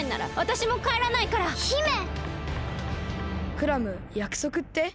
クラムやくそくって？